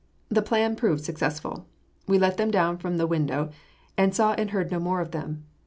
The plan proved successful. We let them down from the window, and saw and heard no more of them.